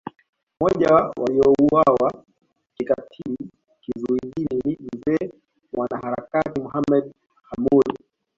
Mmoja ya waliouawa kikatili kizuizini ni Mzee mwanaharakati Mohamed Hamoud